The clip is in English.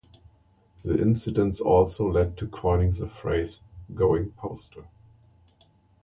The incidents also led to the coining of the phrase "going postal".